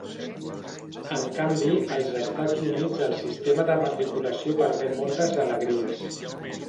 En canvi, als Estats Units el sistema de matriculació permet moltes alegries.